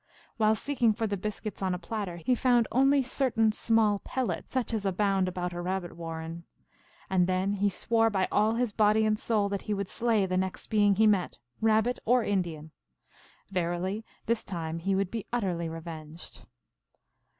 While seeking for the biscuits on a platter, he found only certain small pellets, such as abound about a rabbit warren. And then he swore by all his body and soul that he would slay the next being he met, Rabbit or Indian. Verily this time he would be utterly revenged.